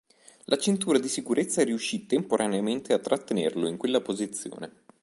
La cintura di sicurezza riuscì temporaneamente a trattenerlo in quella posizione.